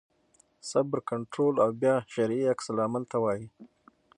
صبر کنټرول او بیا شرعي عکس العمل ته وایي.